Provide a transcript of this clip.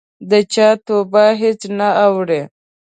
د چا توجه هېڅ نه اوړي.